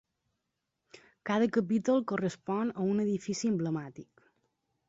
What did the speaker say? Cada capítol correspon a un edifici emblemàtic.